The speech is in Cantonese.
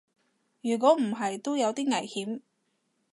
如果唔係都有啲危險